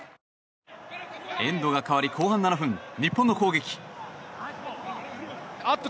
エンドが変わり後半７分日本の攻撃。